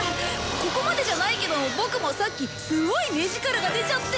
ここまでじゃないけどボクもさっきすごい目ヂカラが出ちゃって。